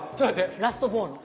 ラストボーノ。